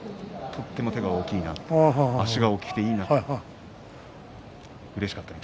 とても手が大きいなって足が大きくていいなって。